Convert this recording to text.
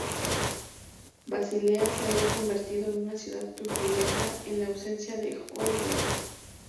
Basilea se había convertido en una ciudad turbulenta en la ausencia de Holbein.